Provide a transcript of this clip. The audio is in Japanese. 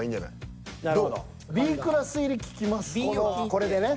これでね。